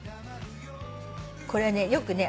これはねよくね。